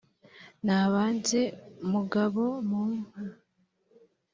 nabanze mugabo mu nka